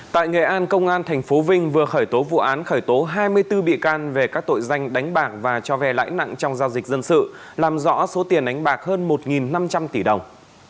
tỉnh phú vinh vừa khởi tố vụ án khởi tố hai mươi bốn bị can về các tội danh đánh bạc và cho vé lãi nặng trong giao dịch dân sự làm rõ số tiền đánh bạc hơn một năm trăm linh tỷ đồng